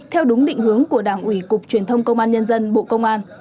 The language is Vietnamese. theo đúng định hướng của đảng ủy cục truyền thông công an nhân dân bộ công an